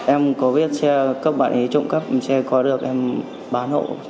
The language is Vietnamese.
em có viết xe cấp bản ý trộm cắp xe có được em bán hộ